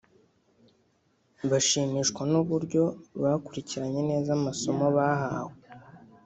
bashimishwa n’uburyo bakurikiranye neza amasomo bahawe